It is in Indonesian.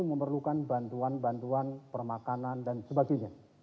memerlukan bantuan bantuan permakanan dan sebagainya